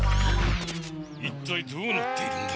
一体どうなっているんだ？